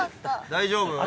大丈夫？